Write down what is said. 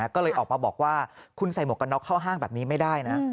ก็เลยออกมาบอกว่าคุณใส่หมวกกันน็อกเข้าห้างแบบนี้ไม่ได้นะ